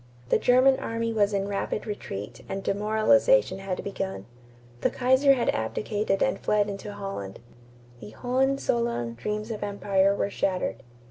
The German army was in rapid retreat and demoralization had begun. The Kaiser had abdicated and fled into Holland. The Hohenzollern dreams of empire were shattered.